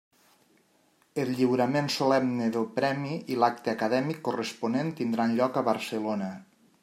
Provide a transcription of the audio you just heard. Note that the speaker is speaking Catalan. El lliurament solemne del Premi i l'acte acadèmic corresponent tindran lloc a Barcelona.